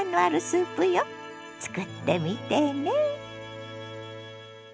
作ってみてね。